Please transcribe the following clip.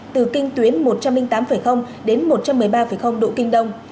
từ kinh tuyến một trăm linh tám đến một trăm một mươi ba độ kinh đông